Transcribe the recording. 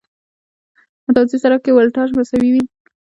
متوازي سرکټ کې ولټاژ مساوي وي.